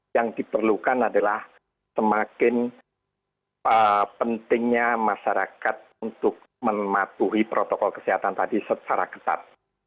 yang diperlukan adalah semakin pentingnya masyarakat untuk mematuhi protokol kesehatan tadi secara ketat